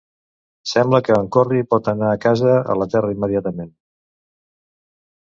Sembla que en Corry pot tornar a casa a la Terra immediatament.